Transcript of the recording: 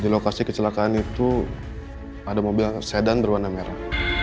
di lokasi kecelakaan itu ada mobil sedan berwarna merah